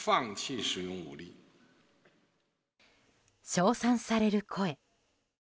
称賛される声。